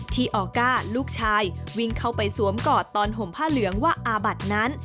ออก้าลูกชายวิ่งเข้าไปสวมกอดตอนห่มผ้าเหลืองว่าอาบัดนั้น